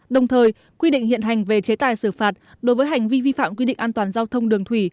đồng thời quy định hiện hành về chế tài xử phạt đối với hành vi vi phạm quy định an toàn giao thông đường thủy